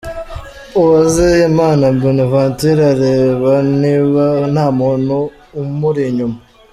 Uwizeyimana Bonaventure areba niba nta muntu umuri inyuma.